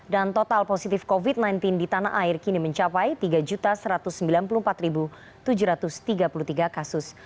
dan total positif covid sembilan belas di tanah air kini mencapai tiga satu ratus sembilan puluh empat tujuh ratus tiga puluh tiga kasus